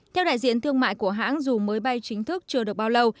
theo đại diện thương mại của hãng dù mới bay chính thức chưa được bao lâu